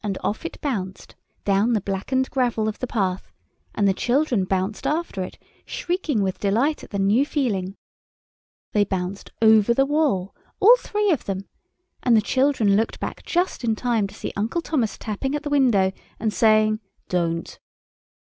And off it bounced down the blackened gravel of the path, and the children bounced after it, shrieking with delight at the new feeling. They bounced over the wall—all three of them—and the children looked back just in time to see Uncle Thomas tapping at the window, and saying, "Don't."